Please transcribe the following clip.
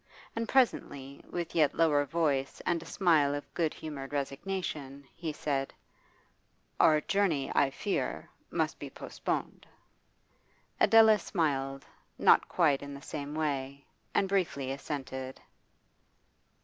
And presently, with yet lower voice and a smile of good humoured resignation, he said 'Our journey, I fear, must be postponed.' Adela smiled, not quite in the same way, and briefly assented.